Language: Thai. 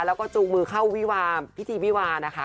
แล้วก็จูงมือเข้าพิธีวิวานะคะ